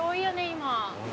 今。